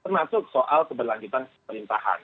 termasuk soal keberlanjutan pemerintahan